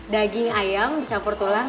daging ayam dicampur tulang